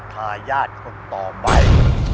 ฆ่าญาติคนต่อไป